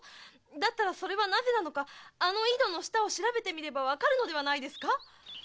だったらそれはなぜなのかあの井戸の下を調べてみればわかるのではないですか？